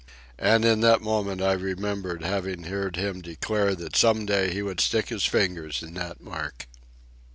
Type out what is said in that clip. And in that moment I remembered having heard him declare that some day he would stick his fingers in that mark.